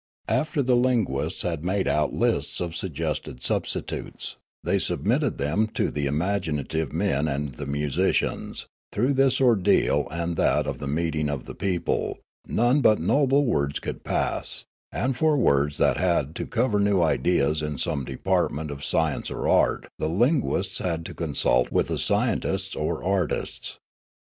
After the linguists had made out lists of suggested substitutes, they submitted them to the imaginative men and the musicians ; through this ordeal, and that of the meeting of the people, none but noble words could pass ; and for words that had to cover new ideas in some department of science or art the linguists had to consult with the scientists or artists.